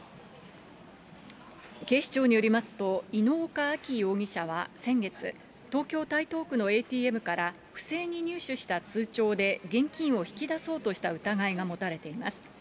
警視庁によりますと、猪岡あき容疑者は先月、東京・台東区のＡＴＭから不正に入手した通帳で現金を引き出そうとした疑いが持たれています。